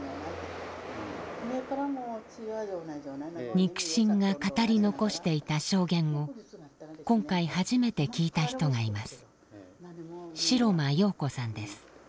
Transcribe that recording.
肉親が語り残していた証言を今回初めて聞いた人がいます。